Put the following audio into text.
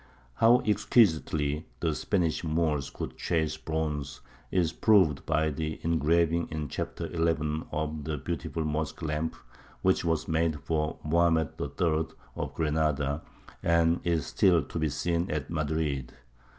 How exquisitely the Spanish Moors could chase bronze is proved by the engraving in chapter xi. of the beautiful mosque lamp which was made for Mohammed III. of Granada, and is still to be seen at Madrid.